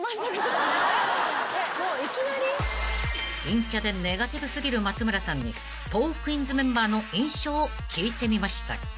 ［陰キャでネガティブ過ぎる松村さんにトークィーンズメンバーの印象を聞いてみました］